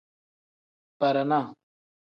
Barana.